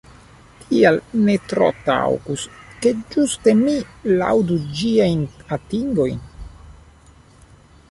Tial ne tro taŭgus, ke ĝuste mi laŭdu ĝiajn atingojn.